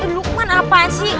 eh lukman apaan sih